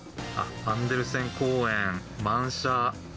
アンデルセン公園、満車。